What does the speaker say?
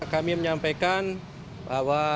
kami menyampaikan bahwa